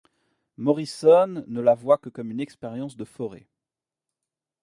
Morrison ne la voit que comme une expérience de Fauré.